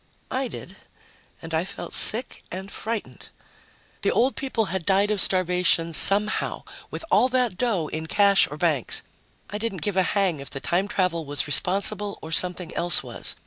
I did. And I felt sick and frightened. The old people had died of starvation somehow with all that dough in cash or banks. I didn't give a hang if the time travel was responsible, or something else was.